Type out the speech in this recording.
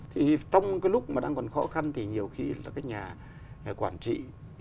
thì trong cái lúc mà đang còn khó khăn thì nhiều khi là các nhà quản trị